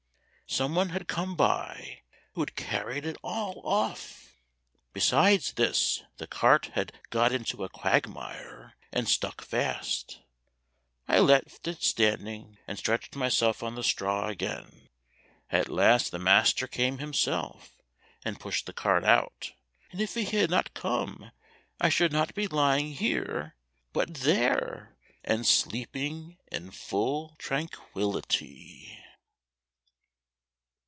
Some one had come by, who had carried all off. Besides this, the cart had got into a quagmire and stuck fast. I left it standing, and stretched myself on the straw again. At last the master came himself, and pushed the cart out, and if he had not come I should not be lying here but there, and sleeping in full tranquillity."